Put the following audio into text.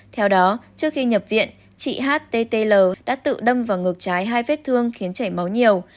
theo đó trước khi nhập viện chị h t t l đã tự đâm vào ngược trái hai vết thương khiến chảy máu nhiều